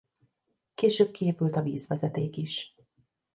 Később kiépült a vízvezeték is.